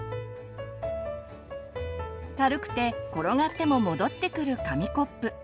軽くて転がっても戻ってくる紙コップ。